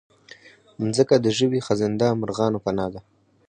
مځکه د ژوي، خزنده، مرغانو پناه ده.